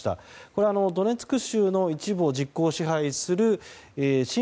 これはドネツク州の一部を実効支配する親